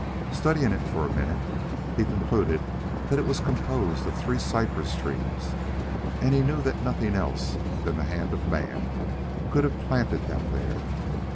Studying it for a minute, he concluded that it was composed of three cypress trees, and he knew that nothing else than the hand of man could have planted them there.